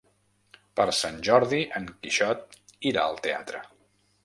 Per Sant Jordi en Quixot irà al teatre.